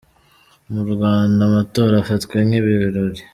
Mu Rwanda amatora afatwa nk’ ibirori.